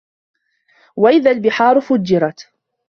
وَإِذَا البِحارُ فُجِّرَت